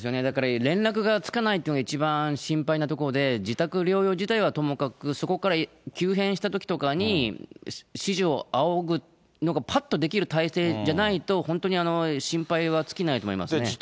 だから連絡がつかないというのが一番心配なところで、自宅療養自体はともかく、そこから急変したときとかに、指示を仰ぐのがぱっとできる体制じゃないと、本当に心配は尽きないと思いますね。